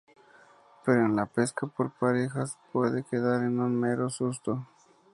Pero en la pesca por parejas puede quedar en un mero susto.